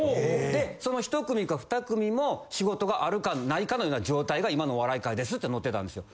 でその１組か２組も仕事があるかないかのような状態が今のお笑い界ですって載ってたんですよ。